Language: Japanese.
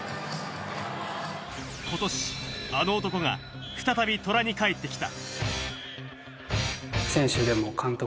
今年、あの男が再び虎に帰ってきた。